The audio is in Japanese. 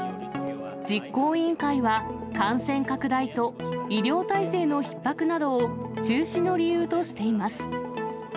実行委員会は、感染拡大と医療体制のひっ迫などを、中止の理由としています。